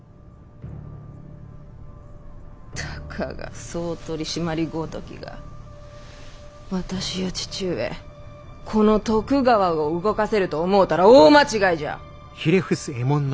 たかが総取締ごときが私や父上この徳川を動かせると思うたら大間違いじゃ！